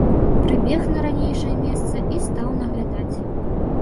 Прыбег на ранейшае месца і стаў наглядаць.